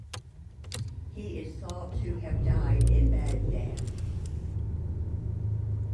He is thought to have died in Baghdad.